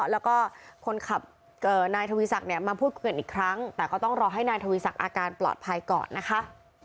แล้วก็คนขับนายทวีศักดิ์เนี่ยมาพูดคุยกันอีกครั้งแต่ก็ต้องรอให้นายทวีศักดิ์อาการปลอดภัยก่อนนะคะ